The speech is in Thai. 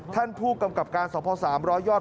ท่านผู้กำกับการสอบพร้อมสามร้อยยอด